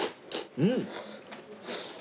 うん。